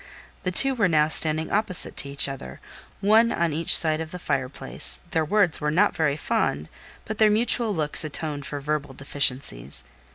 The two were now standing opposite to each other, one on each side the fire place; their words were not very fond, but their mutual looks atoned for verbal deficiencies.